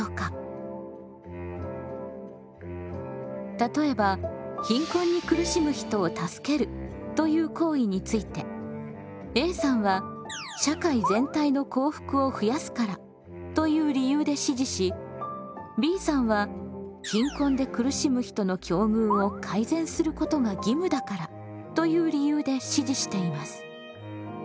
例えば貧困に苦しむ人を助けるという行為についてＡさんは社会全体の幸福を増やすからという理由で支持しＢさんは貧困で苦しむ人の境遇を改善することが義務だからという理由で支持しています。